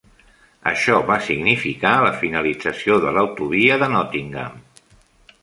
Això va significar la finalització de l'autovia de Nottingham.